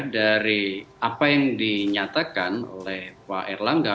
dari apa yang dinyatakan oleh pak erlangga